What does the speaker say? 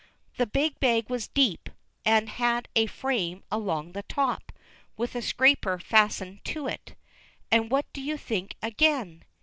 The bag was deep, and had a frame along the top, with a scraper fastened to it. And what do you think again?